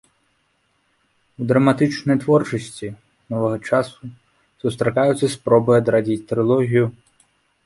У драматычнай творчасці новага часу сустракаюцца спробы адрадзіць трылогію.